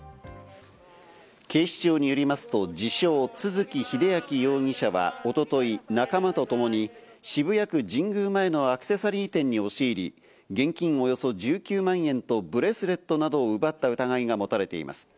警視庁によりますと、自称・都築英明容疑者は、一昨日、仲間とともに、渋谷区神宮前のアクセサリー店に押し入り、現金およそ１９万円とブレスレットなどを奪った疑いが持たれています。